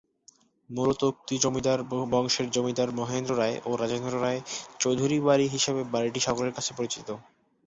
মূলত উক্ত জমিদার বংশের জমিদার মহেন্দ্র রায় ও রাজেন্দ্র রায় চৌধুরীর বাড়ি হিসেবে বাড়িটি সকলের কাছে পরিচিত।